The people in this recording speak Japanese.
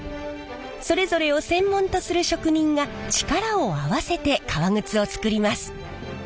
それぞれを専門とする職人が力を合わせて革靴をつくります。